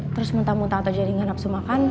terus muntah muntah atau jadi nganap semakan